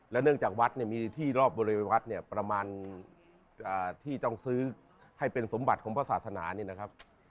เนื่องจากวัดเนี่ยมีที่รอบบริเวณวัดเนี่ยประมาณที่ต้องซื้อให้เป็นสมบัติของพระศาสนานี่นะครับ